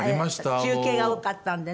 中継が多かったんでね。